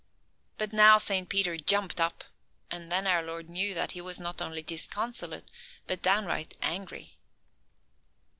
But now Saint Peter jumped up; and then our Lord knew that he was not only disconsolate, but downright angry.